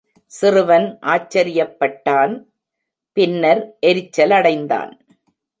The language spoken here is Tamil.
சிறுவன் ஆச்சரியப்பட்டான், பின்னர் எரிச்சலடைந்தான்.